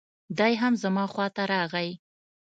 دی هم زما خواته راغی.